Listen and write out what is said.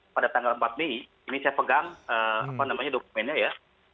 pada tanggal empat mei ini saya pegang dokumennya ya